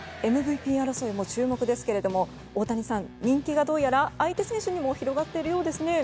ＭＶＰ争いも注目ですが大谷さん人気がどうやら相手選手にも広がっているようですね。